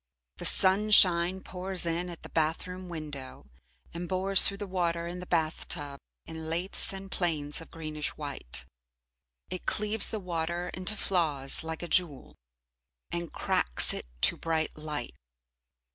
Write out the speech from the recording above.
The sunshine pours in at the bath room window and bores through the water in the bath tub in lathes and planes of greenish white. It cleaves the water into flaws like a jewel, and cracks it to bright light.